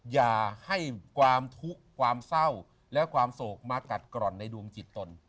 อย่าให้ความทุกข์ความเศร้าและความโศกมากัดกร่อนในดวงจิตตน